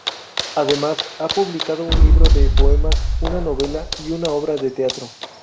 Además, ha publicado un libro de poemas, una novela y una obra de teatro.